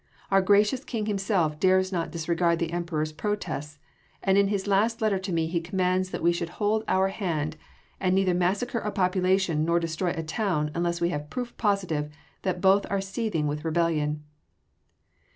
Our gracious King himself dares not disregard the Emperor’s protests and in his last letter to me he commands that we should hold our hand and neither massacre a population nor destroy a town unless we have proof positive that both are seething with rebellion."